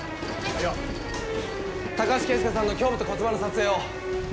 高橋圭介さんの胸部と骨盤の撮影を。